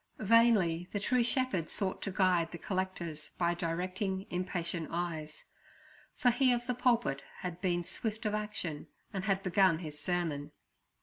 Vainly the true shepherd sought to guide the collectors by directing, impatient eyes; for he of the pulpit had been swift of action and had begun his sermon.